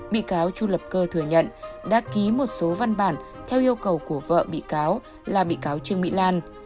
bị cáo chu lập cơ thừa nhận đã ký một số văn bản theo yêu cầu của vợ bị cáo là bị cáo trương mỹ lan